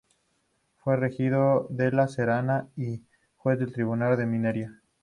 Fue regidor de La Serena y juez del Tribunal de Minería.